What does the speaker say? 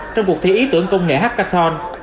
trong cuộc thi ý tưởng công nghệ hackathon